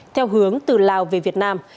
theo hướng từ lào về việt nam